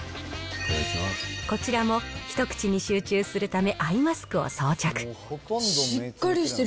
こちらも一口に集中するためしっかりしてる。